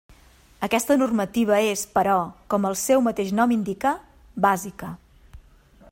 Aquesta normativa és, però, com el seu mateix nom indica, bàsica.